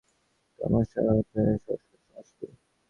কর্মাশয়ের অর্থ এই সংস্কারগুলির সমষ্টি।